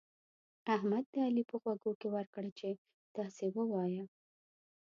احمد د علي په غوږو کې ورکړه چې داسې ووايه.